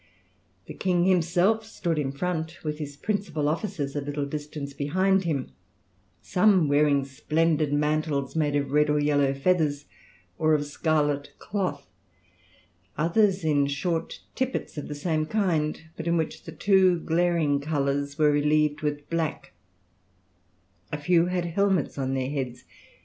The king himself stood in front with his principal officers a little distance behind him; some wearing splendid mantles made of red or yellow feathers, or of scarlet cloth; others in short tippets of the same kind, but in which the two glaring colours were relieved with black; a few had helmets on their heads.